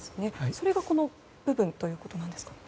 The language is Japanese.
それがこの部分ということですか。